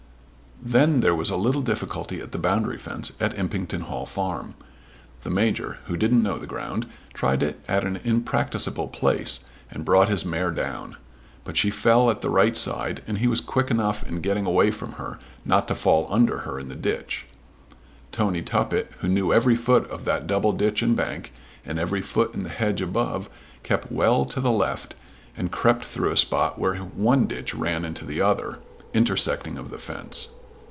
Then there was a little difficulty at the boundary fence of Impington Hall Farm. The Major who didn't know the ground, tried it at an impracticable place, and brought his mare down. But she fell at the right side, and he was quick enough in getting away from her, not to fall under her in the ditch. Tony Tuppet, who knew every foot of that double ditch and bank, and every foot in the hedge above, kept well to the left and crept through a spot where one ditch ran into the other, intersecting of the fence.